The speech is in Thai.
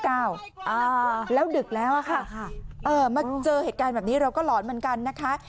แล้วดึกแล้วอะค่ะมาเจอเหตุการณ์แบบนี้เราก็หลอนเหมือนกันนะคะ